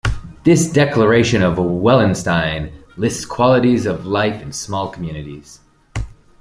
This "Declaration of Wellenstein" lists qualities of life in small communities.